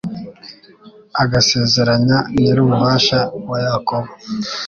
agasezeranya Nyir’Ububasha wa Yakobo